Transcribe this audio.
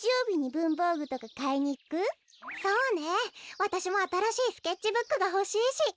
わたしもあたらしいスケッチブックがほしいし。